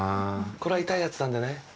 これは痛いやつなんだね。